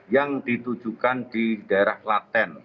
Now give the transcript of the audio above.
yang ditujukan di daerah klaten